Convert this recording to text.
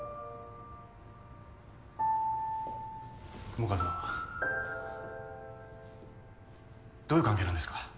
雲川さんどういう関係なんですか。